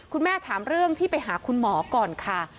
ถามเรื่องที่ไปหาคุณหมอก่อนค่ะ